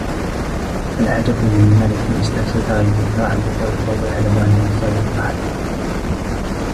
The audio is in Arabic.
الْعَجَبُ مِنْ مَلِكٍ اسْتَفْسَدَ رَعِيَّتَهُ وَهُوَ يَعْلَمُ أَنَّ عِزَّهُ بِطَاعَتِهِمْ